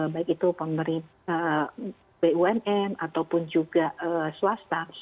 baik itu bumn ataupun juga swasta